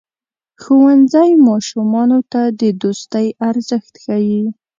ښوونځی ماشومانو ته د دوستۍ ارزښت ښيي.